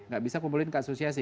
nggak bisa kumpulin ke asosiasi